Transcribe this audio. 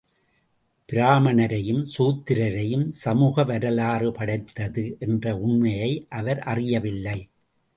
பிராம்மணரையும், சூத்திரரையும் சமூக வரலாறு படைத்தது என்ற உண்மையை அவர் அறியவில்லை.